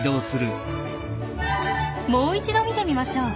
もう一度見てみましょう。